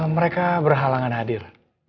mereka berhalangan hadir